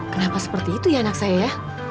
kenapa seperti itu ya anak saya ya